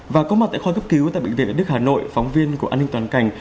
và có mặt tại khoi cấp cứu tại bệnh viện việt đức hà nội phóng viên của an ninh toàn cành